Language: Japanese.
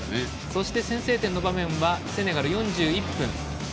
そして先制点の場面はセネガル、４１分。